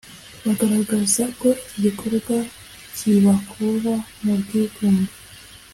bagaragaza ko iki gikorwa kibakura mu bwigunge